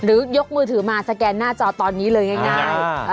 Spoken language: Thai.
ยกมือถือมาสแกนหน้าจอตอนนี้เลยง่าย